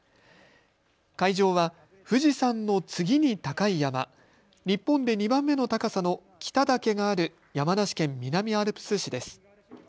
会場は富士山の次に高い山、日本で２番目の高さの北岳がある山梨県南アルプス市です。